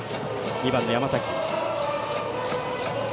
２番の山崎。